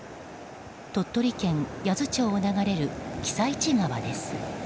鳥取県八頭町を流れる私都川です。